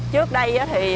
trước đây thì